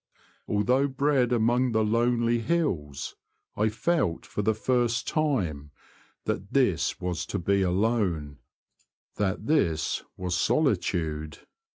Although bred among the lonely hills, I felt for the first time that this was to be alone ; that this was solitude.